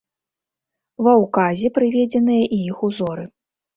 Ва ўказе прыведзеныя і іх узоры.